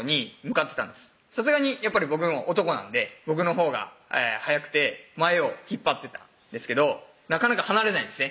さすがにやっぱり僕も男なんで僕のほうが速くて前を引っ張ってたんですけどなかなか離れないんですね